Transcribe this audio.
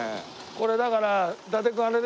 これだから伊達君あれでしょ？